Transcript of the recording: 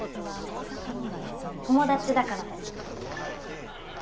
友達だからだよ。